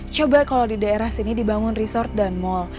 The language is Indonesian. coba kalau di daerah sini dibangun resort dan mall